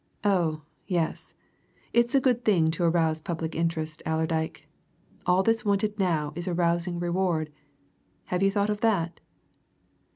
Oh, yes, it's a good thing to arouse public interest, Allerdyke. All that's wanted now is a rousing reward. Have you thought of that?"